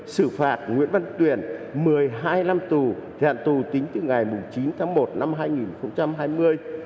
sử phạt nguyễn văn tuyển một mươi hai năm tù thẻ hạn tù tính từ ngày chín tháng một năm hai nghìn hai mươi